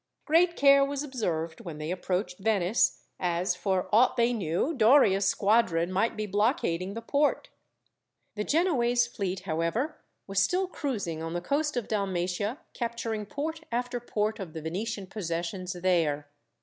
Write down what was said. Great care was observed when they approached Venice, as, for aught they knew, Doria's squadron might be blockading the port. The Genoese fleet, however, was still cruising on the coast of Dalmatia, capturing port after port of the Venetian possessions there.